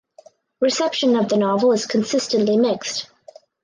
Reception of the novel is consistently mixed.